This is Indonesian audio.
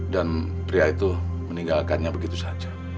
dan pria itu meninggalkannya begitu saja